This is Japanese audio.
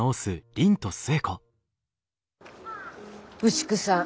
牛久さん